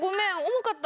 重かった？